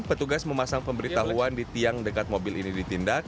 petugas memasang pemberitahuan di tiang dekat mobil ini ditindak